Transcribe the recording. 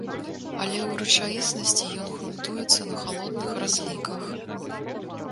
Але ў рэчаіснасці ён грунтуецца на халодных разліках.